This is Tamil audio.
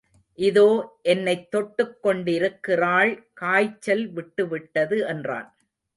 இதோ என்னைத் தொட்டுக் கொண்டிருக்கிறாள் காய்ச்சல் விட்டுவிட்டது என்றான்.